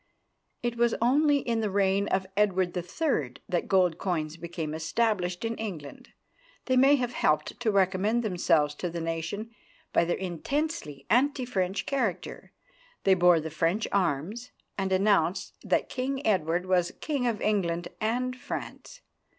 It was only in the reign of Edward III. that gold coins became established in England They may have helped to recommend themselves to the nation by their intensely anti French character. They bore the French arms, and announced that King Edward was King of England and France.